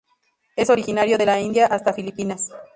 Es originario de la India hasta Filipinas.